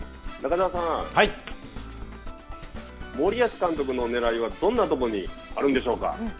中澤さん、森保監督のねらいはどんなところにあるんでしょうか。